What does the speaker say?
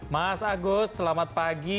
mas agus selamat pagi